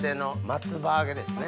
松葉揚げです。